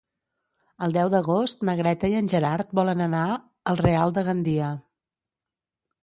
El deu d'agost na Greta i en Gerard volen anar al Real de Gandia.